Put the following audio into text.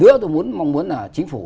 nữa tôi mong muốn là chính phủ